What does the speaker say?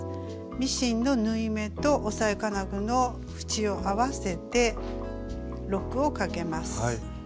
ミシンの縫い目と押さえ金具の縁を合わせてロックをかけます。